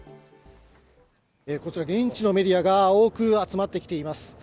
こちら現地のメディアが多く集まってきています。